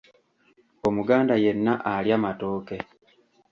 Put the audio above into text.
Omuganda yenna alya maatoke.